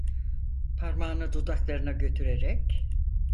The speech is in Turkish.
Parmağını dudaklarına götürerek: